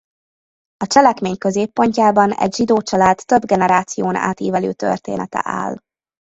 A cselekmény középpontjában egy zsidó család több generáción átívelő története áll.